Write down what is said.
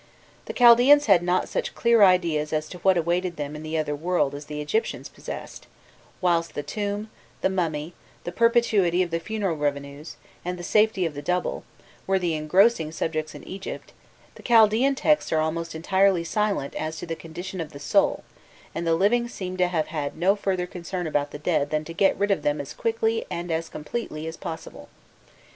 The Chaldaeans had not such clear ideas as to what awaited them in the other world as the Egyptians possessed: whilst the tomb, the mummy, the perpetuity of the funeral revenues, and the safety of the double, were the engrossing subjects in Egypt, the Chaldaean texts are almost entirely silent as to the condition of the soul, and the living seem to have had no further concern about the dead than to get rid of them as quickly and as completely as possible.